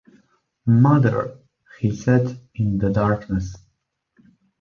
“Mother!” he said, in the darkness.